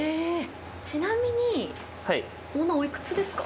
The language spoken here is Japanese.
ちなみにオーナーお幾つですか？